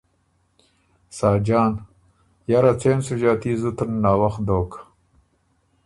ساجان ـــ یرا څېن سُو ݫاتی، زُتن ناوخت دوک،